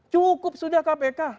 cukup sudah kpk